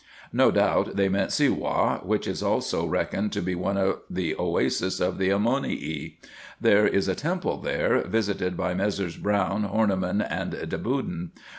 No doubt they meant Siwah, which is also reckoned to be one of the Oasis of the Ammonii. There is a temple there, visited by Messrs. Brown, Horneman, and De Buden.